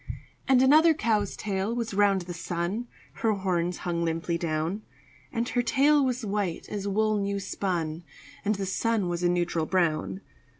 And another cow's tail was round the sun (Her horns hung limply down); And her tail was white as wool new spun, And the sun was a neutral brown.